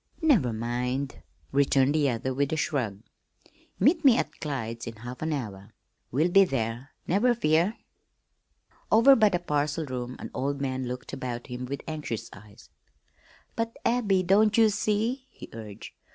"Never mind," returned the other with a shrug. "Meet me at Clyde's in half an hour. We'll be there, never fear." Over by the parcel room an old man looked about him with anxious eyes. "But, Abby, don't ye see?" he urged.